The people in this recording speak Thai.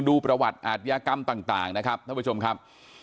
ดูประวัติอาทยากรรมต่างนะครับท่านผู้ชมครับ